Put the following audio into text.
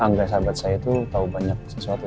angga sahabat saya tuh tau banyak sesuatu